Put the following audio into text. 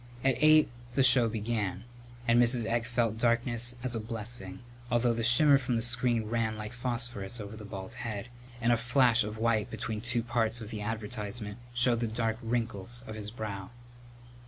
At eight the show began, and Mrs. Egg felt darkness as a blessing, although the shimmer from the screen ran like phosphorus over the bald head, and a flash of white between two parts of the advertisement showed the dark wrinkles of his brow.